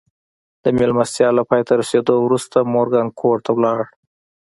د مېلمستیا له پای ته رسېدو وروسته مورګان کور ته ولاړ